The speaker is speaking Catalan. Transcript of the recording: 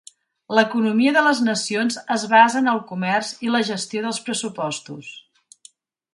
L'economia de les nacions es basa en el comerç i la gestió dels pressupostos.